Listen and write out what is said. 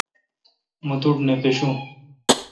مہ توٹھ نہ پاشوں۔